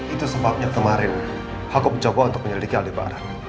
itu sebabnya kemarin aku mencoba untuk menyelidiki alibara